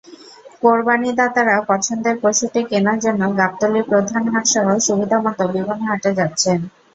কোরবানিদাতারা পছন্দের পশুটি কেনার জন্য গাবতলীর প্রধান হাটসহ সুবিধামতো বিভিন্ন হাটে যাচ্ছেন।